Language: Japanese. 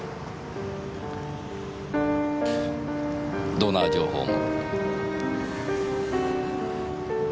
ドナー情報も？